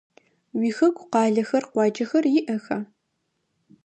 Уихэку къалэхэр, къуаджэхэр иӏэха?